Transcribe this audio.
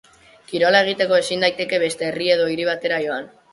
Kirola egiteko ezin daiteke beste herri edo hiri batera joan.